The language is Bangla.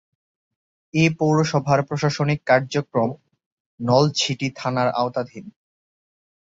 এ পৌরসভার প্রশাসনিক কার্যক্রম নলছিটি থানার আওতাধীন।